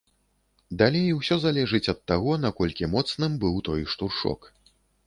Далей усё залежыць ад таго наколькі моцным быў той штуршок.